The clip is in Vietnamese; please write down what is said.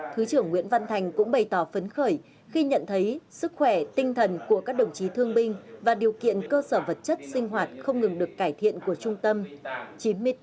thứ trưởng nguyễn văn thành cũng bày tỏ phấn khởi khi nhận thấy sức khỏe tinh thần của các đồng chí thương binh và điều kiện cơ sở vật chất sinh hoạt không ngừng được cải thiện của trung tâm